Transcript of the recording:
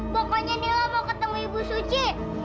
pokoknya nila mau ketemu ibu suci